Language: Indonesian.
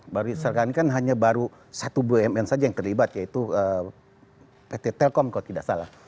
baru sekarang kan hanya baru satu bumn saja yang terlibat yaitu pt telkom kalau tidak salah